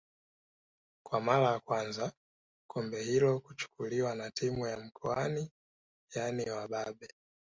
Kwa mara ya kwanza kombe hilo kuchukuliwa na timu ya mkoani yaani wababe